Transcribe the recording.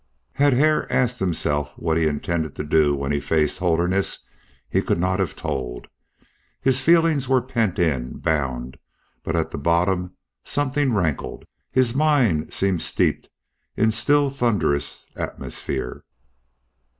Had Hare asked himself what he intended to do when he faced Holderness he could not have told. His feelings were pent in, bound, but at the bottom something rankled. His mind seemed steeped in still thunderous atmosphere.